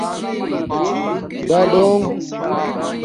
ڈاڈݹنݣ